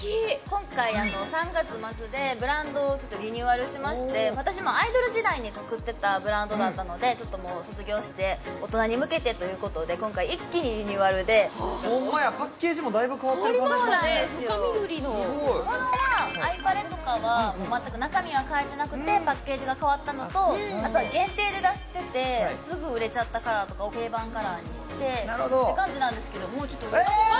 今回３月末でブランドをちょっとリニューアルしまして私もアイドル時代に作ってたブランドだったのでちょっともう卒業して大人に向けてということで今回一気にリニューアルで変わりましたね深緑の物はアイパレとかは全く中身は変えてなくてパッケージが変わったのとあとは限定で出しててすぐ売れちゃったカラーとかを定番カラーにしてって感じなんですけどもうちょっと売り切れ